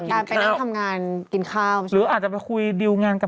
กินข้าวไปนั่งทำงานกินข้าวหรืออาจจะไปคุยดิวงานกับ